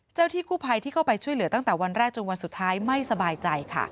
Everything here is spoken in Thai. ที่กู้ภัยที่เข้าไปช่วยเหลือตั้งแต่วันแรกจนวันสุดท้ายไม่สบายใจค่ะ